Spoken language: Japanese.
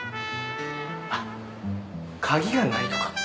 あっ鍵がないとか。